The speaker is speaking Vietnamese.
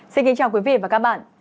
xin kính chào quý vị và các bạn